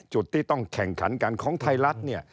จุดที่ต้องแข่งขันกันของไทยรัฐเนี่ย